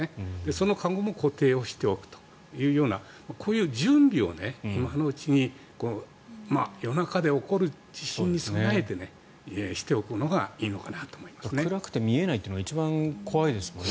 その籠も固定しておくというようなこういう準備を今のうちに夜中に起こる地震に備えてしておくのが暗くて見えないというのが一番怖いですもんね。